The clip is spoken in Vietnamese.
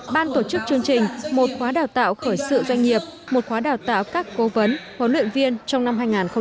ban tổ chức chương trình một khóa đào tạo khởi sự doanh nghiệp một khóa đào tạo các cố vấn huấn luyện viên trong năm hai nghìn hai mươi